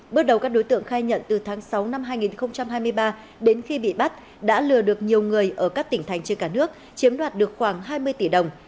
bước đầu các đối tượng khai nhận từ tháng sáu năm hai nghìn hai mươi ba đến khi bị bắt đã lừa được nhiều người ở các tỉnh thành trên cả nước chiếm đoạt được khoảng hai mươi tỷ đồng